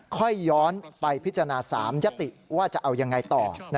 ค่อยย้อนไปพิจารณา๓ยติว่าจะเอายังไงต่อ